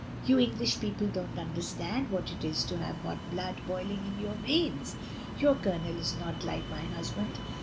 You English people don't understand what it is to have hot blood boiling in your veins. Your Colonel is not like my husband.